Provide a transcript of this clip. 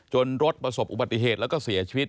รถประสบอุบัติเหตุแล้วก็เสียชีวิต